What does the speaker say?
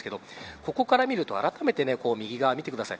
ここから見るとあらためて右側を見てください。